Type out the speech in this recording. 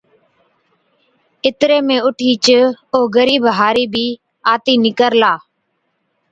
اِتري ۾ اُٺِيچ او غرِيب هارِي بِي آتِي نِڪرلا۔